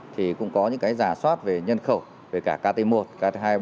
thì cũng có những giả soát về nhân khẩu về cả kt một kt hai mươi bốn